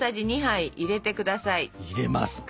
入れますか。